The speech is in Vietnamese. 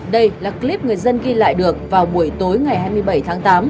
đây là clip người dân ghi lại được vào buổi tối ngày hai mươi bảy tháng tám